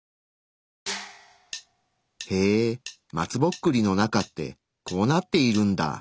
へえ松ぼっくりの中ってこうなっているんだ。